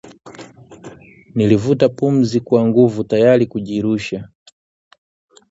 Nilivuta pumzi kwa nguvu tayari kujirusha